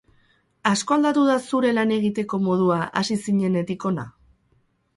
Asko aldatu da zure lan egiteko modua hasi zinenetik hona?